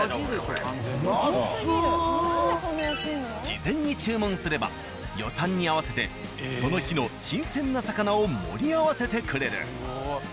事前に注文すれば予算に合わせてその日の新鮮な魚を盛り合わせてくれる。